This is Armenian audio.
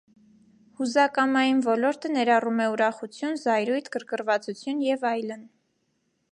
Հուզակամային ոլորտը ներառում է ուրախություն, զայրույթ, գրգռվածություն և այլն։